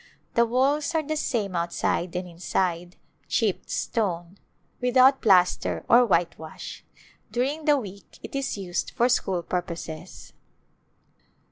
The walls are the same outside and inside, chipped stone, with A Glimpse of India out plaster or whitewash. During the week it is used for school purposes.